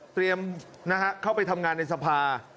เตรียมเข้าไปทำงานในสภา